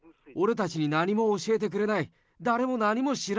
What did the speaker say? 俺たちに何も教えてくれない。